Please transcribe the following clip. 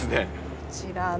こちらの。